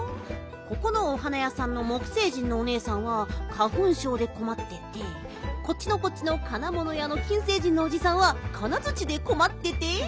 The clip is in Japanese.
ここのお花やさんの木星人のおねえさんは花ふんしょうでこまっててこっちのこっちの金ものやの金星人のおじさんは金づちでこまってて。